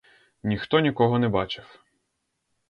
Ніхто нікого не бачив.